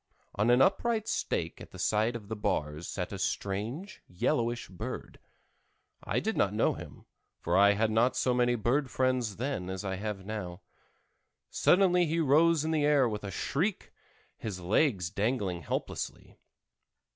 On an upright stake at the side of the bars sat a strange, yellowish bird. I did not know him, for I had not so many bird friends then as I have now. Suddenly he rose in the air with a shriek, his legs dangling helplessly.